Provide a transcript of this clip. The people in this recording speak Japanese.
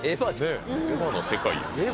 『エヴァ』の世界や。